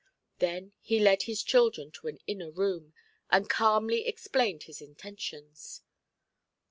Then he led his children to an inner room, and calmly explained his intentions.